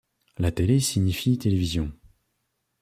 La télé signifie télévision